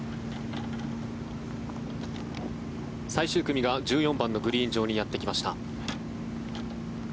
最終組が１４番のグリーン上にやってきました。